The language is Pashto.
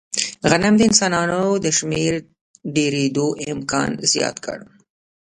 غنم د انسانانو د شمېر ډېرېدو امکان زیات کړ.